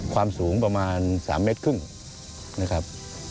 ความสูงประมาณสามเมชังเค้ิงนะครับ